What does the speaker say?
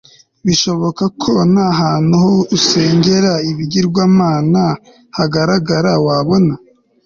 Bishoboka ko nta hantu ho usengera ibigirwamana hagaragara wabona